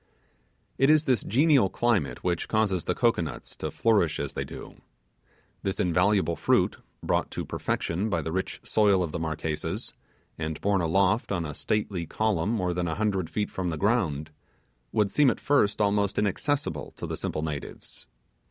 It is this genial climate which causes the cocoanuts to flourish as they do. This invaluable fruit, brought to perfection by the rich soil of the Marquesas, and home aloft on a stately column more than a hundred feet from the ground, would seem at first almost inaccessible to the simple natives.